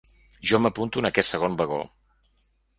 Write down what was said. Jo m’apunto en aquest segon vagó.